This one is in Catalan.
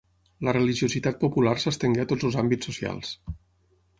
La religiositat popular s'estengué a tots els àmbits socials.